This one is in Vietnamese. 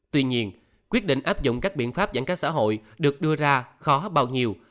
tuy nhiên quyết định áp dụng các biện pháp giãn cách xã hội được đưa ra khó bao nhiêu